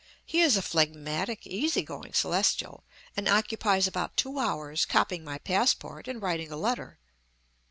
He is a phlegmatic, easy going Celestial, and occupies about two hours copying my passport and writing a letter.